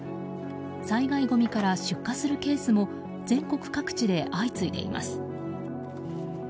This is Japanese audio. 災害ごみから出火するケースも全国各地で相次いでいます。